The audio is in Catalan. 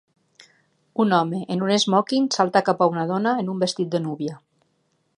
Un home en un esmòquing salta cap a una dona en un vestit de núvia.